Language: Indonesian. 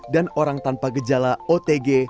dan orang tanpa gejala otg